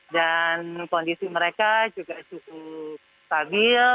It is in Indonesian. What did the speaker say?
dan kondisi mereka juga cukup stabil